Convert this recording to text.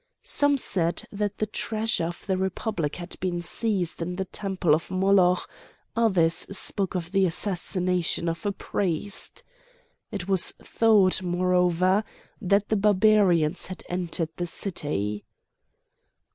Some said that the treasure of the Republic had been seized in the temple of Moloch; others spoke of the assassination of a priest. It was thought, moreover, that the Barbarians had entered the city.